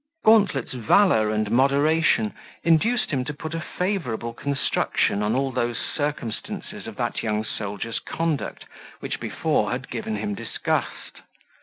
Gauntlet's valour and moderation induced him to put a favourable construction on all those circumstances of that young soldier's conduct, which before had given him disgust.